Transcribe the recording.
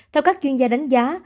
theo các chuyên gia đánh giá